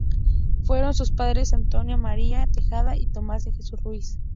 Fueron sus padres Antonia María Tejada y Tomás de Jesús Ruiz.